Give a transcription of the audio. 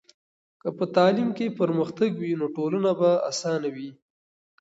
که په تعلیم کې پرمختګ وي، نو ټولنه به اسانه وي.